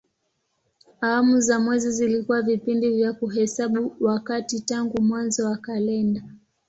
Awamu za mwezi zilikuwa vipindi vya kuhesabu wakati tangu mwanzo wa kalenda.